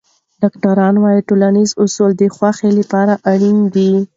ډاکټران وايي ټولنیز وصل د خوښۍ لپاره اړین دی.